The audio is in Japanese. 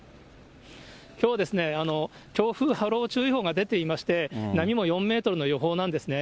きょうはですね、強風波浪注意報が出ていまして、波も４メートルの予報なんですね。